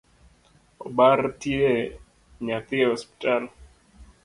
Obar tie nyathi e osiptal